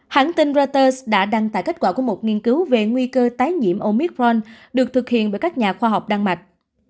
hãng tin reuters đã đăng tải kết quả của một nghiên cứu về nguy cơ tái nhiễm omicron được thực hiện bởi các nhà khoa học đan mạch